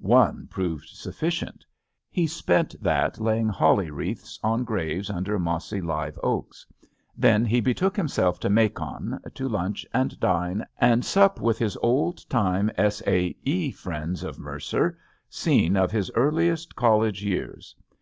One proved suffi cient. He spent that laying holly wreaths on graves under mossy live oaks. Then he betook himself to Macon, to lunch and dine and sup with his old time S. A. E. friends of Mercer, scene of his earliest college years.